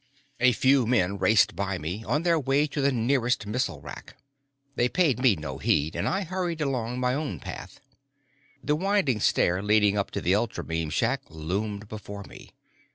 A few men raced by me, on their way to the nearest missile rack. They paid me no heed, and I hurried along my own path. The winding stair leading up to the ultrabeam shack loomed before me.